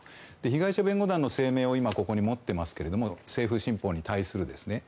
被害者弁護団の声明を今、持っていますけれども政府新法に対する。